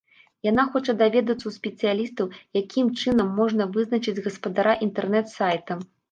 Яна хоча даведацца ў спецыялістаў, якім чынам можна вызначыць гаспадара інтэрнэт-сайта.